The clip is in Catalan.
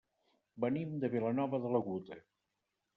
Venim de Vilanova de l'Aguda.